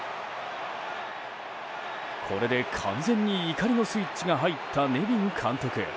これで完全に怒りのスイッチが入ったネビン監督。